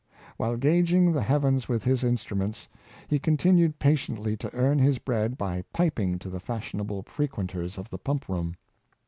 While gauging the heavens with his instruments, \ z 270 Hu<rli Miller. ^5 continued patiently to earn his bread by piping to the fashionable frequenters of the Pump room.